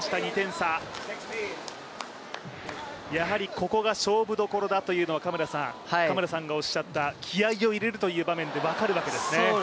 ここが勝負どころだというのは嘉村さんがおっしゃった気合いを入れるという場面で分かるわけですね。